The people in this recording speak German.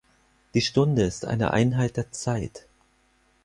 Die Stunde ist eine Einheit der Zeit.